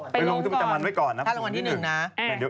ไปลงกับประจำวันให้ก่อนนะครั้งรางวัลที่๑นะ